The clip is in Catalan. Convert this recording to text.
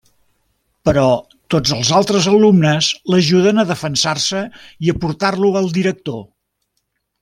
Però tots els altres alumnes l'ajuden a defensar-se i a portar-lo al director.